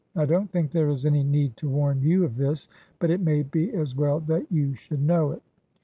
I don't think there is any need to warn you of this, but it may be as well that you should know it.